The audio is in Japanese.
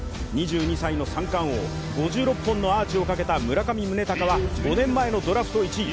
２２歳の三冠王５６本のアーチをかけた村上宗隆は５年前のドラフト１位。